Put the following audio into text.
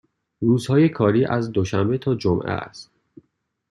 روزهای کاری از دوشنبه تا جمعه است.